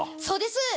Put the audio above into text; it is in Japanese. そうです。